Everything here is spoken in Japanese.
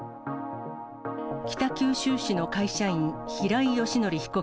北九州市の会社員、平井英康被告